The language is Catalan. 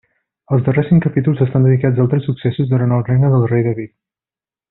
Els darrers cinc capítols estan dedicats a altres successos durant el regne del rei David.